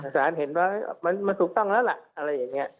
สารเห็นว่ามันถูกต้องแล้วล่ะอะไรอย่างนี้